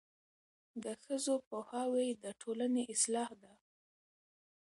د ښځو پوهاوی د ټولنې اصلاح ده.